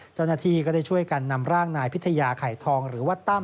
เจ้าหน้าที่ก็ได้ช่วยกันนำร่างนายพิทยาไข่ทองหรือว่าตั้ม